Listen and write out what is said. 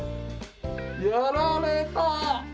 やられた！